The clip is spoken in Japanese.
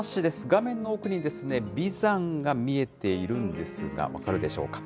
画面の奥に眉山が見えているんですが、分かるでしょうか。